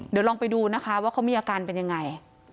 เดี๋ยวลองไปดูนะคะว่าเขามีอาการเป็นยังไง